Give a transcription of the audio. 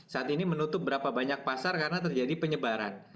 saat ini menutup berapa banyak pasar karena terjadi penyebaran